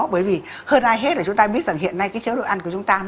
bởi vì hơn ai hết là chúng ta biết hiện nay chế độ ăn của chúng ta rất là dễ